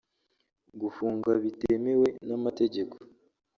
gufunga bitemewe n’amategeko